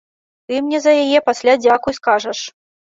Ты мне за яе пасля дзякуй скажаш!